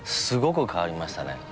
すごく変わりましたね。